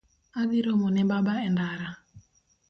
Adhi romo ne baba e ndara